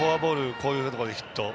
こういうところでのヒット。